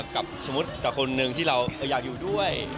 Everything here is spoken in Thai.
กับสมมุติแต่คนหนึ่งที่เราอยากอยู่ด้วย